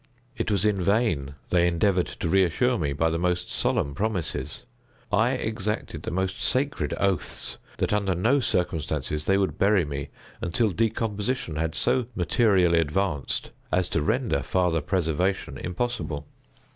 It was in vain they endeavored to reassure me by the most solemn promises. I exacted the most sacred oaths, that under no circumstances they would bury me until decomposition had so materially advanced as to render farther preservation impossible.